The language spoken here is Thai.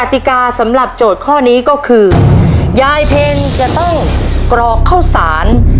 ติกาสำหรับโจทย์ข้อนี้ก็คือยายเพ็ญจะต้องกรอกข้าวสาร